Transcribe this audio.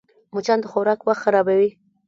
مچان د خوراک وخت خرابوي